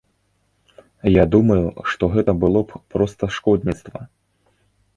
Я думаю, што гэта было б проста шкодніцтва.